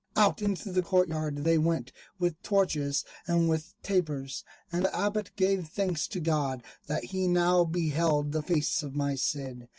Out into the courtyard they went with torches and with tapers, and the Abbot gave thanks to God that he now beheld the face of my Cid.